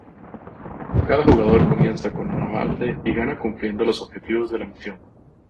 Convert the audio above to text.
Cada jugador comienza con una base y gana cumpliendo los objetivos de la misión.